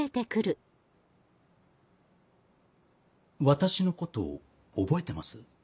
私のこと覚えてます？